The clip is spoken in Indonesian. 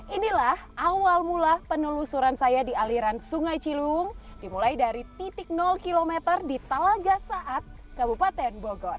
inilah awal mula penelusuran saya di aliran sungai cilung dimulai dari titik km di talaga saat kabupaten bogor